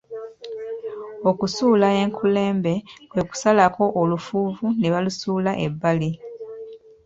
Okusuula enkulembe kwe kusalako olufuvvu ne balusuula ebbali.